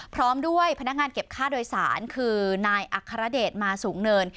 พร้อมด้วยพนักงานเก็บค่าโดยสารคือนายอัครเดชมาสูงเนิน